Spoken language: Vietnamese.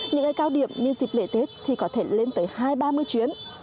những ngày cao điểm như dịch lễ tết thì có thể lên tới hai mươi ba mươi chuyến